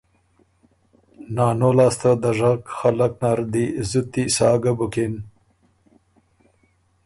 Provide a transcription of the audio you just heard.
نانو لاسته دژک خلق نر دی زُتی سا ګه بُکِن